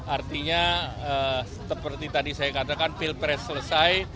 artinya seperti tadi saya katakan pilpres selesai